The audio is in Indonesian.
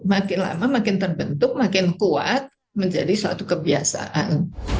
makin lama makin terbentuk makin kuat menjadi suatu kebiasaan